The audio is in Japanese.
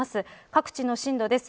各地の震度です。